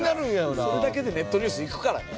それだけでネットニュースいくからね。